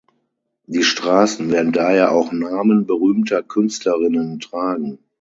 Die Straßen werden daher auch Namen berühmter Künstlerinnen tragen.